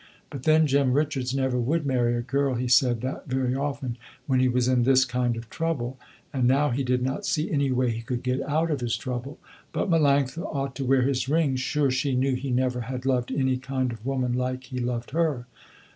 But then Jem Richards never would marry a girl, he said that very often, when he was in this kind of trouble, and now he did not see any way he could get out of his trouble. But Melanctha ought to wear his ring, sure she knew he never had loved any kind of woman like he loved her.